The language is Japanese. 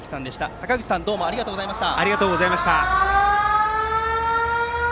坂口さんありがとうございました。